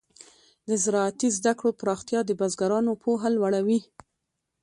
د زراعتي زده کړو پراختیا د بزګرانو پوهه لوړه وي.